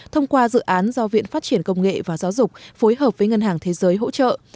thông qua dự án do viện phát triển công nghệ và giáo dục phối hợp với ngân hàng thế giới hỗ trợ